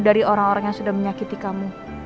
dari orang orang yang sudah menyakiti kamu